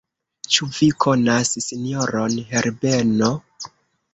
Ĉu vi konas sinjoron Herbeno?